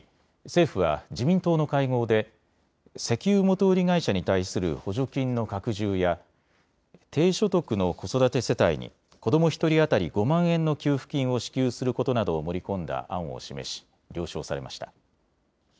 政府は自民党の会合で石油元売り会社に対する補助金の拡充や低所得の子育て世帯に子ども１人当たり５万円の給付金を支給することなどを盛り込んだ案を示し了承されました。